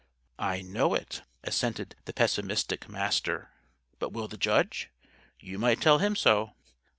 "I know it," assented the pessimistic Master. "But will the Judge? You might tell him so."